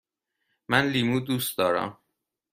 من لیمو دوست دارم.